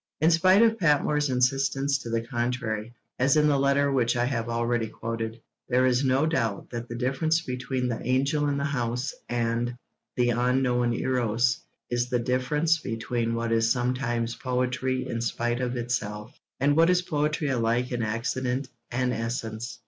In spite of Patmore's insistence to the contrary, as in the letter which I have already quoted, there is no doubt that the difference between The Angel in the House and The Unknown Eros is the difference between what is sometimes poetry in spite of itself, and what is poetry alike in accident and essence.